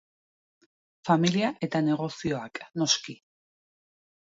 Familia eta negozioak, noski.